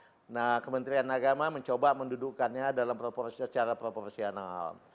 mencoba kementerian agama mencoba mendudukkannya dalam secara proporsional